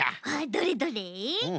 どれどれ？